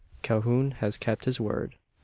Calhoun has kept his word.